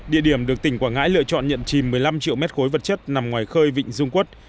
địa điểm được tỉnh quảng ngãi lựa chọn nhận chìm một mươi năm triệu mét khối vật chất nằm ngoài khơi vịnh dung quốc